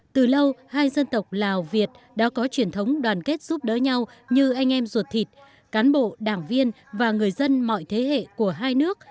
từ lâu hai dân tộc lào việt đã có truyền thống đoàn kết giúp đỡ nhau như anh em ruột thịt cán bộ đảng viên và người dân mọi thế hệ của hai nước